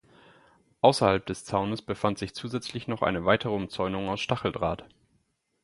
Außerhalb des Zaunes befand sich zusätzlich noch eine weitere Umzäunung aus Stacheldraht.